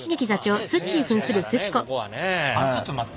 あっちょっと待って。